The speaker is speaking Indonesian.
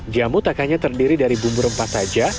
jamu tak hanya terdiri dari bumbu rempah saja